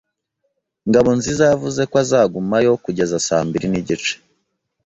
Ngabonziza yavuze ko azagumayo kugeza saa mbiri n'igice.